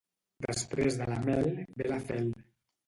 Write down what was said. Després de la mel, ve la fel